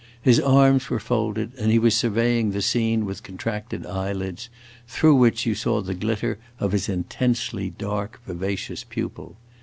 His arms were folded, and he was surveying the scene with contracted eyelids, through which you saw the glitter of his intensely dark, vivacious pupil.